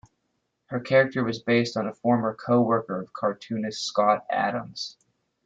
Her character was based on a former co-worker of cartoonist Scott Adams.